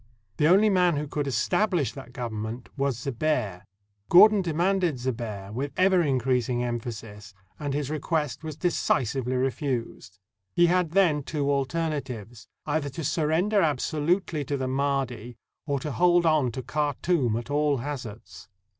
The only man who could establish that government was Zebehr. Gordon de manded Zebehr with ever increasing emphasis, and his request was decisively refused. He had then two alter natives — either to surrender absolutely to the Mahdi, or to hold on to Khartoum at all hazards.